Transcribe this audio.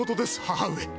母上！